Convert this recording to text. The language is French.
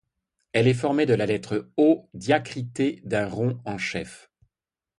Elle est formée de la lettre O diacritée d’un rond en chef.